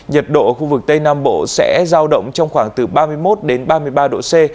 nhiệt độ khu vực tây nam bộ sẽ giao động trong khoảng từ ba mươi một đến ba mươi ba độ c